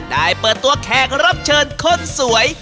เปิดตัวแขกรับเชิญคนสวย